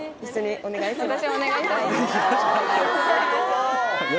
お願いします